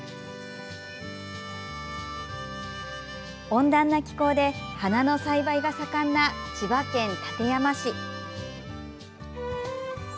温暖な気候で花の栽培が盛んな千葉県館山市。